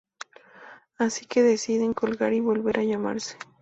Así que deciden colgar y volver a llamarse.